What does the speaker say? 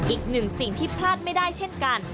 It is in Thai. อีกหนึ่งสิ่งที่พลาดไม่ได้เช่นกัน